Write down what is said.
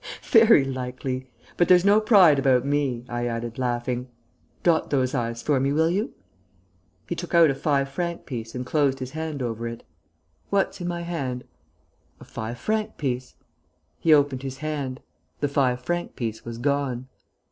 "Very likely. But there's no pride about me," I added, laughing. "Dot those i's for me, will you?" He took out a five franc piece and closed his hand over it. "What's in my hand?" "A five franc piece." He opened his hand. The five franc piece was gone.